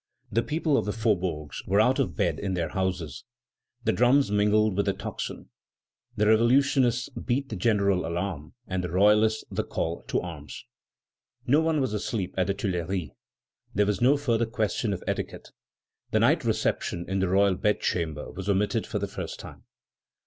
The people of the faubourgs were out of bed in their houses. The drums mingled with the tocsin. The revolutionists beat the general alarm, and the royalists the call to arms. No one was asleep at the Tuileries. There was no further question of etiquette. The night reception in the royal bedchamber was omitted for the first time.